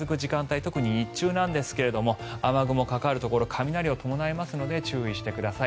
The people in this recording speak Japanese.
特に日中ですが雨雲がかかるところ雷を伴いますので注意してください。